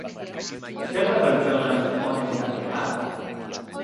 Zer da pertsona ona izatea?